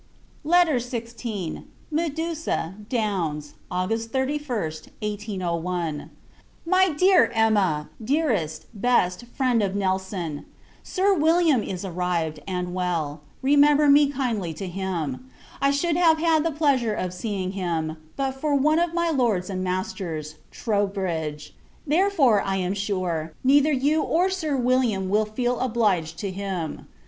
LETTER XVI. Medusa, Downs, August 31st, 1801. MY DEAR EMMA! DEAREST, BEST, FRIEND OF NELSON, Sir William is arrived, and well; remember me kindly to him. I should have had the pleasure of seeing him, but for one of my lords and masters, TROUBRIDGE; therefore, I am sure, neither you or Sir William will feel obliged to him.